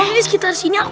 tunggu bapak umar